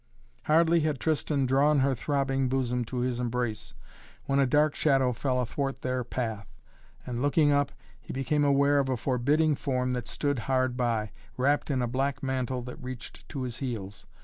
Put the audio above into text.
Hardly had Tristan drawn her throbbing bosom to his embrace when a dark shadow fell athwart their path and, looking up, he became aware of a forbidding form that stood hard by, wrapped in a black mantle that reached to his heels.